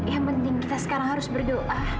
yang penting kita sekarang harus berdoa